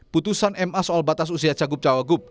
putusan ma soal batas usia cagup cawagup